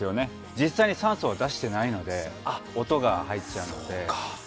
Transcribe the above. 実際に酸素は出してないので音が入っちゃうので。